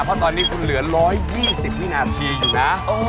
เพราะตอนนี้คุณเหลือ๑๒๐วินาทีอยู่นะ